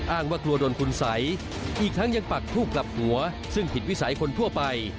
ว่ากลัวโดนคุณสัยอีกทั้งยังปักทูบกลับหัวซึ่งผิดวิสัยคนทั่วไป